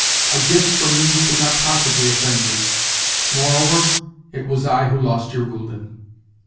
A gift from me could not possibly offend you. Moreover, it was I who lost your gülden."